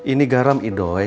ini garam idoi